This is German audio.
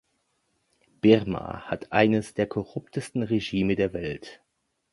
Birma hat eines der korruptesten Regime der Welt.